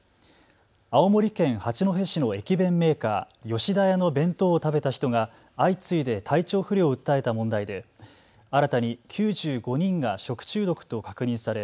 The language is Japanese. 青森県八戸市の駅弁メーカー、吉田屋の弁当を食べた人が相次いで体調不良を訴えた問題で新たに９５人が食中毒と確認され